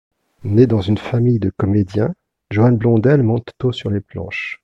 Née dans une famille de comédiens, Joan Blondell monte tôt sur les planches.